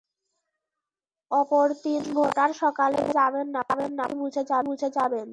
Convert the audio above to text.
অপর তিন ভোটার সকালে ভোট দিতে যাবেন না, পরিস্থিতি বুঝে যাবেন।